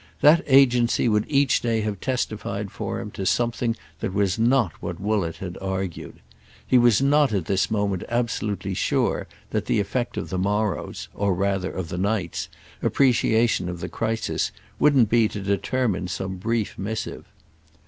That agency would each day have testified for him to something that was not what Woollett had argued. He was not at this moment absolutely sure that the effect of the morrow's—or rather of the night's—appreciation of the crisis wouldn't be to determine some brief missive.